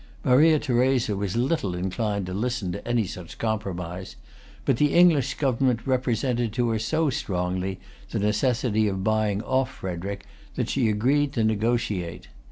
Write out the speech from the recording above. Maria Theresa was little inclined to listen to any such compromise; but the English government represented to her so strongly the necessity of buying off Frederic that she agreed to negotiate.